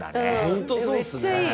ホントそうですね。